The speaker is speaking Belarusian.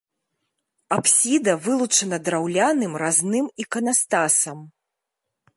Апсіда вылучана драўляным разным іканастасам.